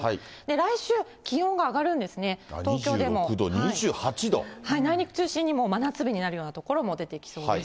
来週、気温が上がるんですね、２６度、内陸中心に、真夏日になるような所も出てきそうです。